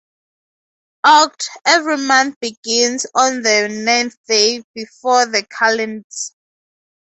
Oct. Every month begins on the ninth day before the kalends.